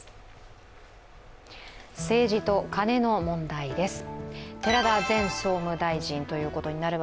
政治とカネの問題です。